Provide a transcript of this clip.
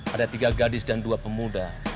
ada tiga gadis dan dua pemuda